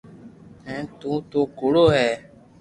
ھين تو تو ڪوڙو ھي